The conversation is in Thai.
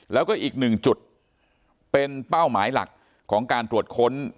แล้วก็อีกหนึ่งจุดเป็นเป้าหมายหลักของการตรวจค้น